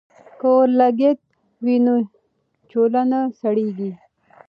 که اورلګیت وي نو چولہ نه سړیږي.